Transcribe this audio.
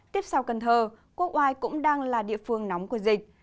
tiếp sau cần thơ quốc oai cũng đang là địa phương nóng của dịch